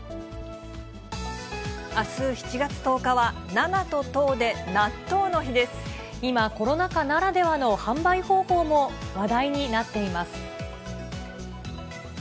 あす７月１０日は、７と１０今、コロナ禍ならではの販売方法も話題になっています。